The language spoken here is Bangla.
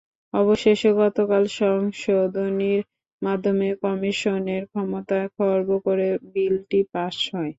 অবশেষে গতকাল সংশোধনীর মাধ্যমে কমিশনের ক্ষমতা খর্ব করে বিলটি পাস হয়।